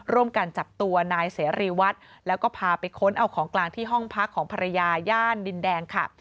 ร่วมกันจับตัวนายเสรีวัตรแล้วก็พาไปค้นเอาของกลางที่ห้องพักของภรรยาย่านดินแดงค่ะ